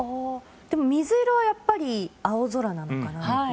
水色はやっぱり青空なのかなと。